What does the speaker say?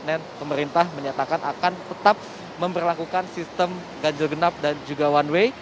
dan kemudian pemerintah menyatakan akan tetap memperlakukan sistem ganjil genap dan juga one way